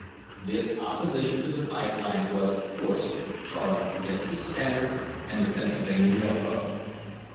This opposition to the pipe line was, of course, charged against the Standard and the Pennsylvania Railroad.